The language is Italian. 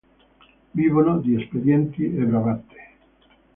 Vivono di espedienti e bravate.